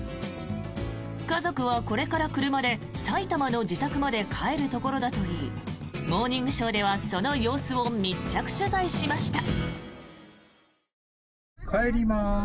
家族はこれから車で埼玉の自宅まで帰るところだといい「モーニングショー」ではその様子を密着取材しました。